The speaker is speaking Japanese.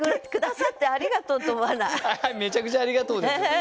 めちゃくちゃありがとうですよ。